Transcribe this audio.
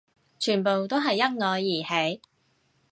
全部都係因我而起